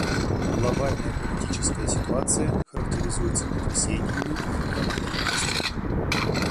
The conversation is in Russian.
Глобальная политическая ситуация характеризуется потрясениями и неопределенностью.